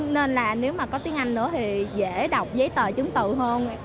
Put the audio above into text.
nên là nếu mà có tiếng anh nữa thì dễ đọc giấy tờ chứng tự hơn